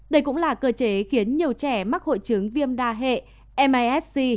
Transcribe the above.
đây cũng là cơ chế khiến nhiều trẻ mắc hội chứng viêm đa hệ mis c